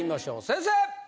先生！